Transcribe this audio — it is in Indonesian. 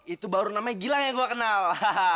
itu baru namanya gilang yang gue kenal